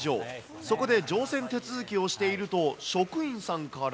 そこで乗船手続きをしていると、職員さんから。